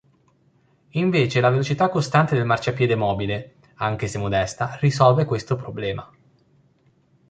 Invece la velocità costante del marciapiede mobile, anche se modesta, risolve questo problema.